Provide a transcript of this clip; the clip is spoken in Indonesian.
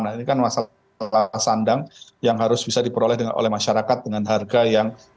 nah ini kan masalah sandang yang harus bisa diperoleh oleh masyarakat dengan harga yang